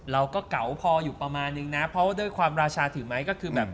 เก๋าพออยู่ประมาณนึงนะเพราะว่าด้วยความราชาถือไม้ก็คือแบบ